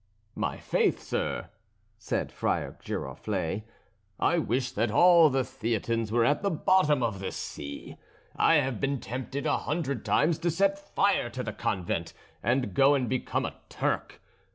"My faith, sir," said Friar Giroflée, "I wish that all the Theatins were at the bottom of the sea. I have been tempted a hundred times to set fire to the convent, and go and become a Turk.